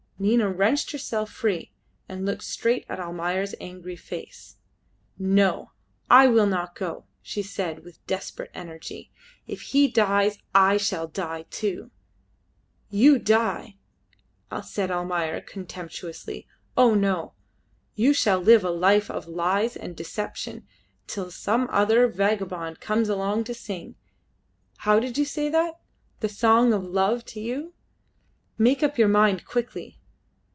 Nina wrenched herself free and looked straight at Almayer's angry face. "No, I will not go," she said with desperate energy. "If he dies I shall die too!" "You die!" said Almayer, contemptuously. "Oh, no! You shall live a life of lies and deception till some other vagabond comes along to sing; how did you say that? The song of love to you! Make up your mind quickly."